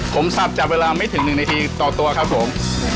ผมสับจากเวลาไม่ถึง๑นาทีต่อตัวครับผม